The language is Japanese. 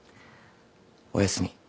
おやすみ。